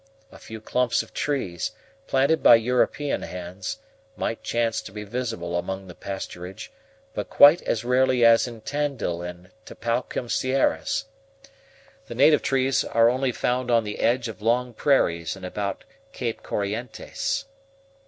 A few clumps of trees, planted by European hands, might chance to be visible among the pasturage, but quite as rarely as in Tandil and Tapalquem Sierras. The native trees are only found on the edge of long prairies and about Cape Corrientes.